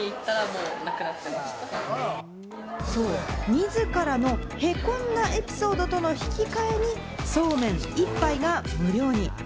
自らのへこんだエピソードと引き換えに、そうめん１杯が無料に。